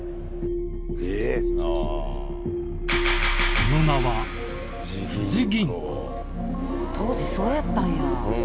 その名は当時そうやったんや。